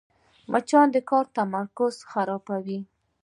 مچان د کار تمرکز خرابوي